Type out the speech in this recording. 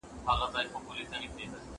براون او لويس د دې نومونو توپیر ونه مانه.